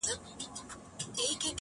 o په اوله کي ترخه وروسته خواږه وي,